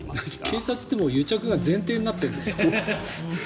警察って癒着が前提になってるんだ。